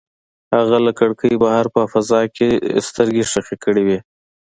هغه له کړکۍ بهر په فضا کې سترګې ښخې کړې وې.